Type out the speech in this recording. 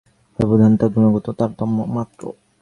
আমার ও দেবতাদের মধ্যে যে ব্যবধান, তা গুণগত তারতম্য মাত্র।